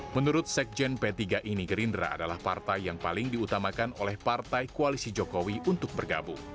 menurut sekjen p tiga ini gerindra adalah partai yang paling diutamakan oleh partai koalisi jokowi untuk bergabung